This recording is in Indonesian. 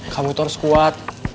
kamu tuh harus kuat